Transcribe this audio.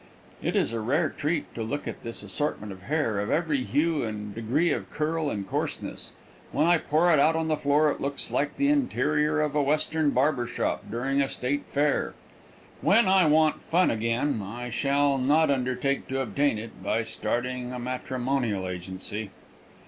It is a rare treat to look at this assortment of hair of every hue and degree of curl and coarseness. When I pour it out on the floor it looks like the interior of a western barber shop during a state fair. When I want fun again I shall not undertake to obtain it by starting a matrimonial agency.